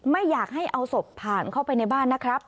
ไม่อยากให้เอาศพผ่านเข้าไปในบ้านนะครับ